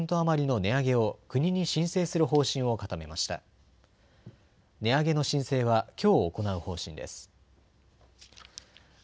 値上げの申請はきょう行う方針です。